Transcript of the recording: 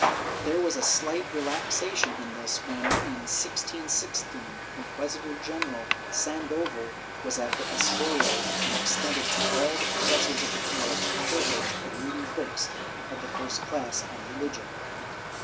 There was a slight relaxation in this when, in 1616, Inquisitor general Sandoval was at the Escorial and extended to all the pro fessors of the college the privilege of reading books of the first class on religion.